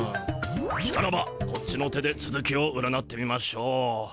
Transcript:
しからばこっちの手でつづきを占ってみましょう。